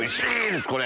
ですこれ。